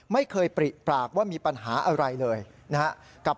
ไม่เคยปริปากว่ามีปัญหาอะไรเลยนะครับ